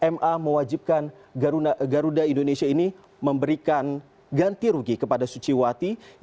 ma mewajibkan garuda indonesia ini memberikan ganti rugi kepada suciwati